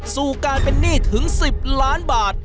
สู่การเป็นหนี้ถึง๑๐ล้านบาท